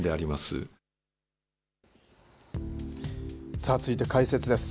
さあ、続いて解説です。